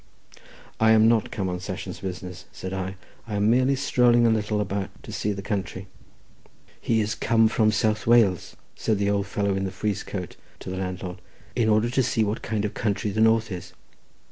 "I am not come on sessions business," said I; "I am merely strolling a little about to see the country." "He is come from South Wales," said the old fellow in the frieze coat to the landlord, "in order to see what kind of country the north is.